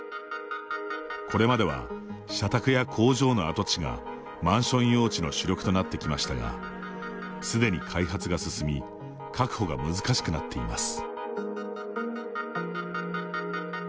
これまでは社宅や工場の跡地がマンション用地の主力となってきましたがすでに開発が進み確保が難しくなっています。